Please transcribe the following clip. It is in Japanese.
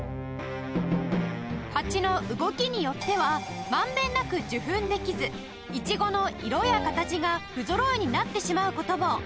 ハチの動きによってはまんべんなく受粉できずイチゴの色や形がふぞろいになってしまう事も